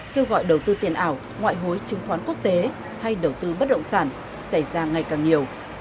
kêu gọi đầu tư tiền ảo ngoại hối chứng khoán quốc tế hay đầu tư bất động sản xảy ra ngày càng nhiều